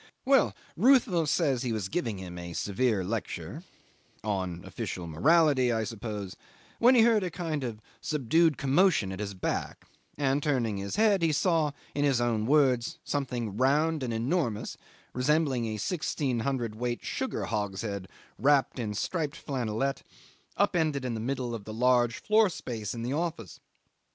'Well, Ruthvel says he was giving him a severe lecture on official morality, I suppose when he heard a kind of subdued commotion at his back, and turning his head he saw, in his own words, something round and enormous, resembling a sixteen hundred weight sugar hogshead wrapped in striped flannelette, up ended in the middle of the large floor space in the office.